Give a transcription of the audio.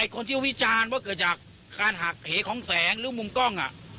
คนที่วิจารณ์ว่าเกิดจากการหักเหของแสงหรือมุมกล้อง